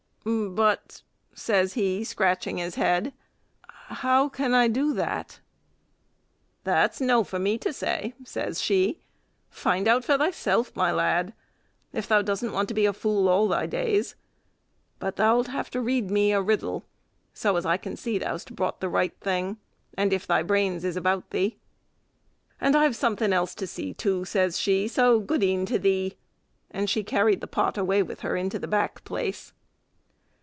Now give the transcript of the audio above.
"But," says he, scratching his head, "how can I do that?" "That's no for me to say," says she, "find out for thyself, my lad! if thou doesn't want to be a fool all thy days. But thou 'll have to read me a riddle so as I can see thou 'st brought the right thing, and if thy brains is about thee. And I've something else to see to," says she, "so gode'en to thee," and she carried the pot away with her into the back place.